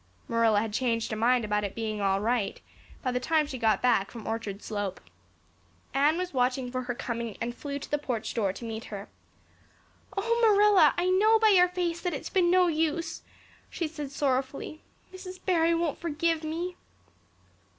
Marilla had changed her mind about it being all right by the time she got back from Orchard Slope. Anne was watching for her coming and flew to the porch door to meet her. "Oh, Marilla, I know by your face that it's been no use," she said sorrowfully. "Mrs. Barry won't forgive me?"